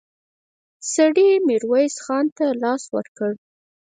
سړي ميرويس خان ته لاس ورکړ.